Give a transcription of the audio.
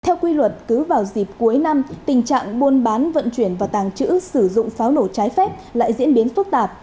theo quy luật cứ vào dịp cuối năm tình trạng buôn bán vận chuyển và tàng trữ sử dụng pháo nổ trái phép lại diễn biến phức tạp